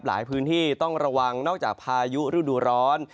หลายพื้นที่ต้องระวังนอกจากพายุฤดูร้อน